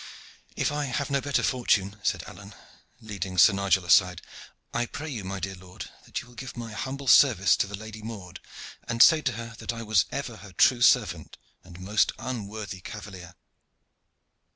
"If I have no better fortune," said Alleyne, leading Sir Nigel aside. "I pray you, my dear lord, that you will give my humble service to the Lady Maude, and say to her that I was ever her true servant and most unworthy cavalier."